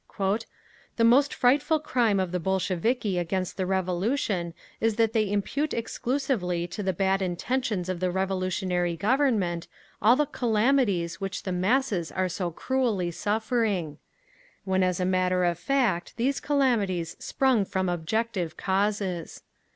"The most frightful crime of the Bolsheviki against the Revolution is that they impute exclusively to the bad intentions of the revolutionary Government all the calamities which the masses are so cruelly suffering; when as a matter of fact these calamities spring from objective causes.